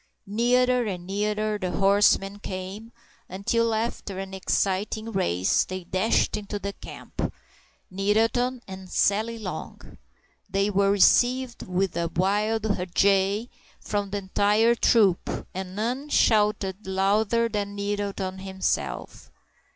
Nearer and nearer the horsemen came, until, after an exciting race, they dashed into the camp—Nettleton and Sally Long! They were received with a wild huzza from the entire troop, and none shouted louder than Nettleton himself.